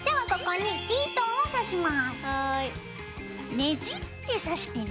ねじってさしてね。